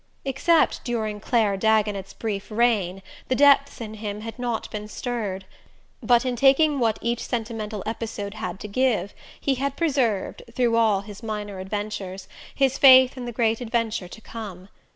Except during Clare Dagonet's brief reign the depths in him had not been stirred; but in taking what each sentimental episode had to give he had preserved, through all his minor adventures, his faith in the great adventure to come.